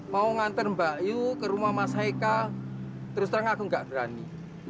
mau nganter mbak yu ke rumah mas heka terus terang aku gak berani